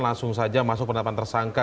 langsung saja masuk penetapan tersangka